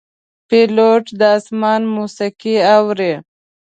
پیلوټ د آسمان موسیقي اوري.